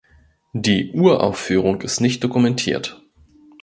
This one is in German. Die Uraufführung ist nicht dokumentiert.